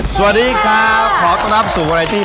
สวัสดีค่ะขอต้อนรับสู่โวรายที่